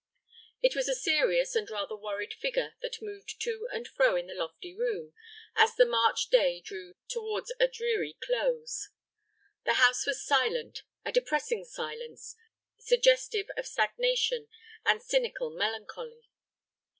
It was a serious and rather worried figure that moved to and fro in the lofty room, as the March day drew towards a dreary close. The house was silent, a depressing silence, suggestive of stagnation and cynical melancholy.